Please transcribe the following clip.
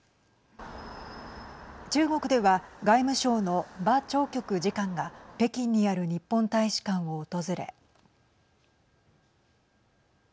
中国では、外務省の馬朝旭次官が北京にある日本大使館を訪れ。